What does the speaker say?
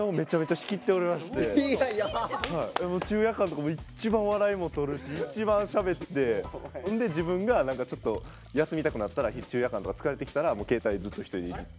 昼夜間とかも一番笑いもとるし一番しゃべってそんで自分が何かちょっと休みたくなったら昼夜間とか疲れてきたらもう携帯ずっと一人でいじって。